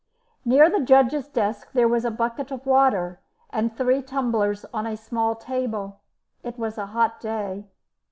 Near the judge's desk there was a bucket of water and three tumblers on a small table. It was a hot day.